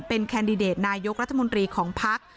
เป็นแคนดิเดตนายกรัฐมนตรีของพัก